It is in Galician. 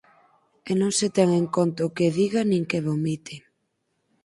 e non se ten en conta o que diga nin que vomite.